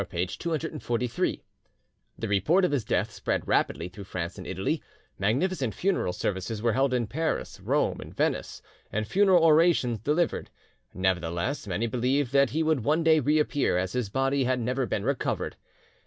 P. 243) The report of his death spread rapidly through France and Italy; magnificent funeral services were held in Paris, Rome, and Venice, and funeral orations delivered. Nevertheless, many believed that he would one day reappear, as his body had never been recovered.